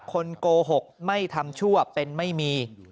โกหกไม่ทำชั่วเป็นไม่มี